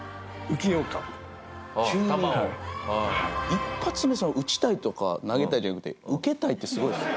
一発目打ちたいとか投げたいじゃなくて受けたいってすごいですね。